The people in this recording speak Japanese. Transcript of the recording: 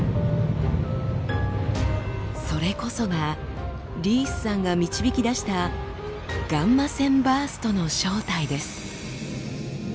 それこそがリースさんが導き出したガンマ線バーストの正体です。